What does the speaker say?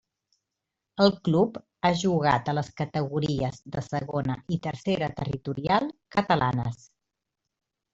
El club ha jugat a les categories de Segona i Tercera territorial catalanes.